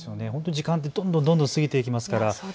時間ってどんどんどんどん過ぎていきますから。